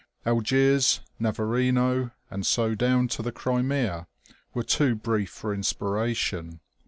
Algiers, Navarino, and so down to the Crimea, were too brief for inspiration.